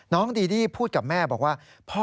ดีดี้พูดกับแม่บอกว่า